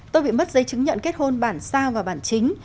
tôi bị mất giấy chứng nhận kết hôn bản sao và bản chính